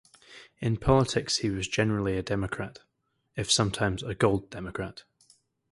In politics he was generally a Democrat, if sometimes a Gold Democrat.